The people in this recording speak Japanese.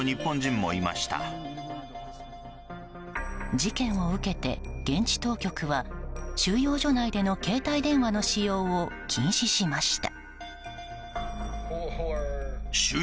事件を受けて現地当局は収容所内での携帯電話の使用を禁止しました。